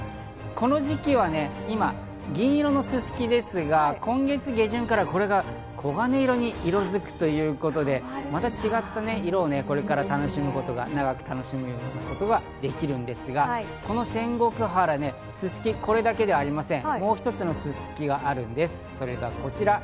この時期はね、今、銀色のすすきですが、今月下旬からこれが黄金色に色づくということで、また違った色をこれから楽しむことができて長く楽しむことができるんですが、この仙石原すすき、これだけではありません。